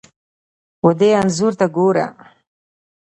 ودې انځور ته ګوره!